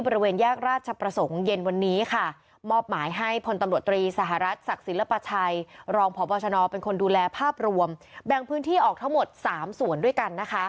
บริเวณแยกราชประสงค์เย็นวันนี้ค่ะ